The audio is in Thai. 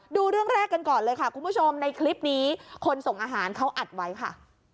ดูเรื่องแรกกันก่อนเลยค่ะคุณผู้ชมในคลิปนี้คนส่งอาหารเขาอัดไว้ค่ะ